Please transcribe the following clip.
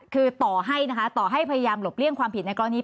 คือต่อให้นะคะต่อให้พยายามหลบเลี่ยงความผิดในกรณี